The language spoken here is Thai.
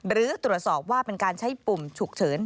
หรือตรวจสอบว่าเป็นการใช้ปุ่มฉุกเฉิน